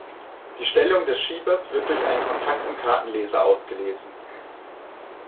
Die Stellung des Schiebers wird durch einen Kontakt im Kartenleser ausgelesen.